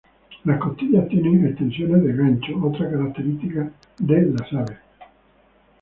Las costillas tienen extensiones de gancho, otra característica característica de las aves.